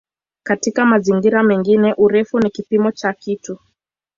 Katika mazingira mengine "urefu" ni kipimo cha kitu.